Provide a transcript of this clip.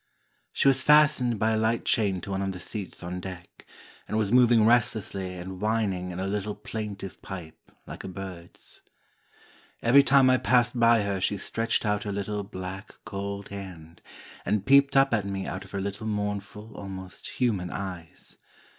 She was fastened by a light chain to one of the seats on deck, and was moving restlessly and whining in a little plaintive pipe like a bird's. Every time I passed by her she stretched out her little, black, cold hand, and peeped up at me out of her little mournful, almost human eyes.